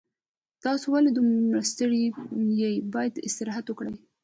تاسو ولې دومره ستړي یې باید استراحت وکړئ